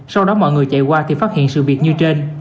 sau đó mọi người chạy qua thì phát hiện sự việc như trên